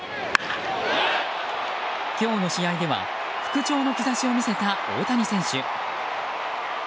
今日の試合では復調の兆しを見せた大谷選手。